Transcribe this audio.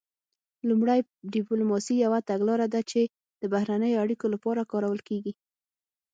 لومړی ډیپلوماسي یوه تګلاره ده چې د بهرنیو اړیکو لپاره کارول کیږي